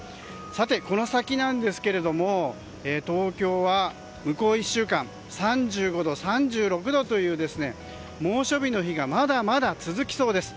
この先ですが、東京は向こう１週間３５度３６度という猛暑日の日がまだまだ続きそうです。